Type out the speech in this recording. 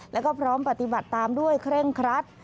แล้วก็พร้อมปฏิบัติตามด้วยเคร่งครัด